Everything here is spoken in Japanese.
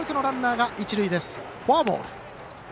フォアボール。